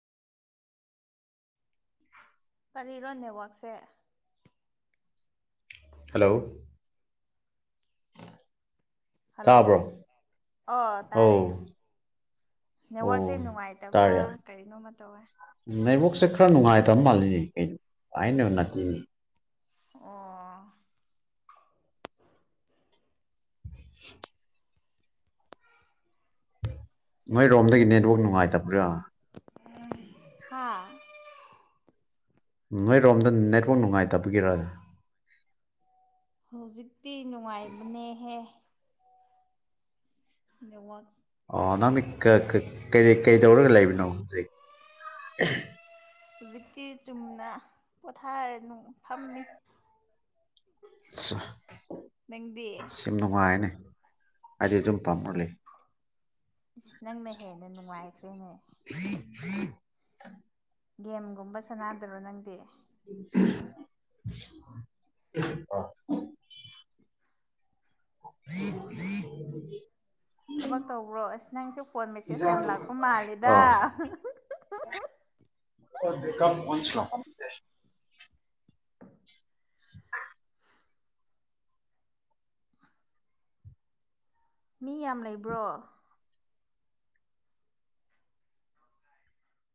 ꯀꯔꯤꯔꯣ ꯅꯦꯠꯋꯥꯛꯁꯦ hello hello ꯇꯥꯕ꯭ꯔꯣ ꯑꯣ ꯑꯧ ꯇꯥꯔꯦ ꯑꯣ ꯅꯦꯠꯋꯥꯛꯁꯦ ꯅꯨꯡꯉꯥꯏꯇꯕ꯭ꯔꯥ ꯇꯥꯔꯦ ꯀꯔꯤꯅꯣ ꯑꯃ ꯇꯧꯋꯦ ꯁꯦ ꯈꯔ ꯅꯨꯡꯉꯥꯏꯇꯕ ꯃꯥꯜꯂꯤꯅꯦ ꯀꯩꯅꯣ ꯑꯩꯅ ꯅꯠꯇꯦꯅꯤ ꯑꯣ [inaudible] ꯅꯣꯏ ꯔꯣꯝꯗꯒꯤ ꯅꯦꯠꯋꯥꯛ ꯅꯨꯡꯉꯥꯏꯇꯕ꯭ꯔꯥ ꯎꯝ ꯍꯥ ꯅꯣꯏꯔꯣꯝꯗ ꯅꯦꯠꯋꯥꯛ ꯅꯨꯡꯉꯥꯏꯇꯕꯒꯤꯔ ꯍꯧꯖꯤꯛꯇꯤ ꯅꯨꯡꯉꯥꯏꯕꯅꯦꯍꯦ ꯅꯦꯠꯋꯥꯛ ꯑꯣ ꯅꯪꯗꯤ ꯀ ꯀꯩꯀꯩ ꯀꯩꯗꯧꯔꯒ ꯂꯩꯕꯅꯣ ꯍꯧꯖꯤꯛ ꯍꯧꯖꯤꯛꯇꯤ ꯆꯨꯝꯅ ꯄꯣꯊꯥꯔꯅꯨꯡ ꯐꯝꯃꯤ ꯅꯪꯗꯤ ꯁꯤ ꯅꯨꯡꯉꯥꯏꯅꯦ ꯑꯗꯤ ꯑꯗꯨꯝ ꯄꯥꯝꯔ ꯂꯩ ꯏꯁ ꯅꯪꯅ ꯍꯦꯟꯅ ꯅꯨꯡꯉꯥꯏꯈ꯭ꯔꯦꯅꯦ [inaudible] ꯒꯦꯝꯒꯨꯝꯕ ꯁꯥꯟꯅꯗꯔꯣ ꯅꯪꯗꯤ [unintelligible] [inaudible] ꯊꯕꯛ ꯇꯧꯕ꯭ꯔꯣ ꯑꯁ ꯅꯪꯁꯨ ꯐꯣꯟ ꯃꯦꯁꯦꯖ ꯌꯥꯝ ꯂꯥꯛꯄ ꯃꯥꯜꯂꯤꯗ ꯑꯥ [unintelligible] [inaudible] ꯃꯤ ꯌꯥꯝ ꯂꯩꯕ꯭ꯔꯣ